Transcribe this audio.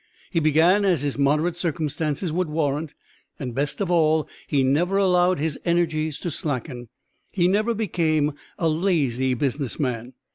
He began as his moderate circumstances would warrant, and best of all he never allowed his energies to slacken. He never became a lazy business man.